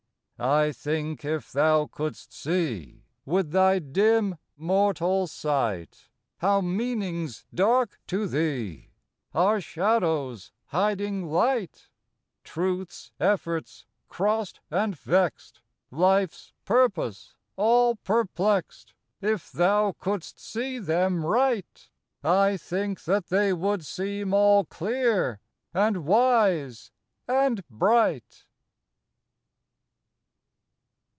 WORDS . 131 I think if thou couldst see, With thy dim mortal sight, How meanings, dark to thee, Are shadows hiding light; Truth's efforts crossed and vexed, Life's purpose all perplexed, — If thou couldst see them right, I think that they would seem all clear, and wise, and bright.